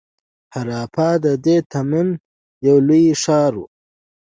هراپا د دې تمدن یو لوی ښار و.